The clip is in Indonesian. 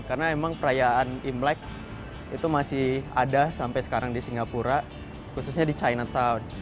karena emang perayaan imlek itu masih ada sampai sekarang di singapura khususnya di chinatown